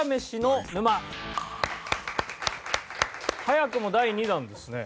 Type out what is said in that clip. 早くも第２弾ですね。